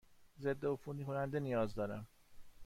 ضدعفونی کننده نیاز دارم.